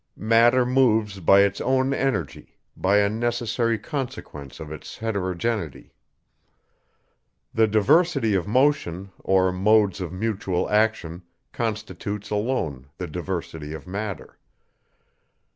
Matter moves by its own energy, by a necessary consequence of its heterogeneity. The diversity of motion, or modes of mutual action, constitutes alone the diversity of matter.